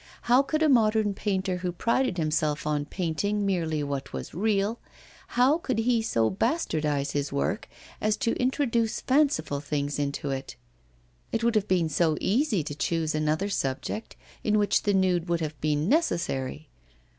How could a modern painter who prided himself on painting merely what was real how could he so bastardise his work as to introduce fanciful things into it? It would have been so easy to choose another subject, in which the nude would have been necessary.